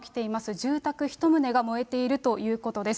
住宅１棟が燃えているということです。